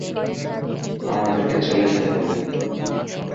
আমাদেরকে চলে যেতে হবে।